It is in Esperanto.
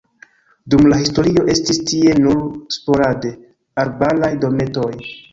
Dum la historio estis tie nur sporade arbaraj dometoj.